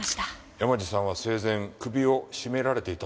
山路さんは生前首を絞められていたという事です。